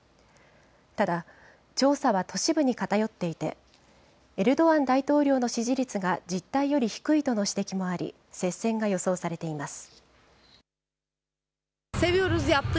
ただ、調査は都市部に偏っていて、エルドアン大統領の支持率が実態より低いとの指摘もあり、接戦が予想されています。